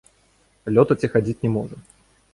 Лётаць і хадзіць не можа.